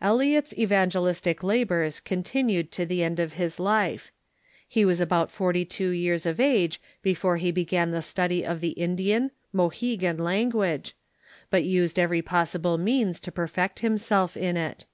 Eliot's evangelistic labors continued to the end of his life. He was about forty two years of age before he began the study of the Indian (Mohegan) language, but used every pos sible means to perfect himself in it.